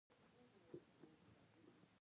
یو سل او نوي یمه پوښتنه د غیر مصرفي اجناسو ده.